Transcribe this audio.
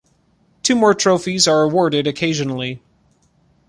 Two more trophies are awarded occasionally.